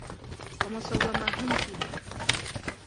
Ҡамасауламаһын тип!